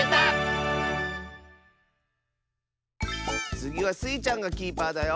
つぎはスイちゃんがキーパーだよ！